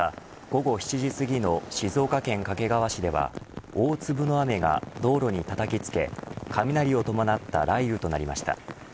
午後７時すぎの静岡県掛川市では大粒の雨が道路にたたきつけ雷を伴った雷雨となりました。